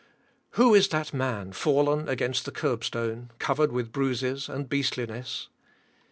Who is that man fallen against the curbstone, covered with bruises and beastliness?